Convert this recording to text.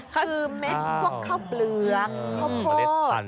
คือเม็ดพวกข้าวเปลือกข้าวโพด